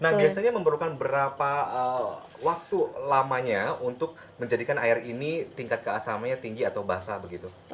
nah biasanya memerlukan berapa waktu lamanya untuk menjadikan air ini tingkat keasamannya tinggi atau basah begitu